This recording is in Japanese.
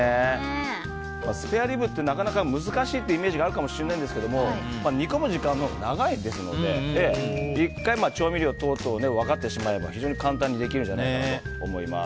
スペアリブってなかなか難しいっていうイメージがあるかもしれないですが煮込む時間が長いので１回、調味料等々が分かってしまえば非常に簡単にできると思います。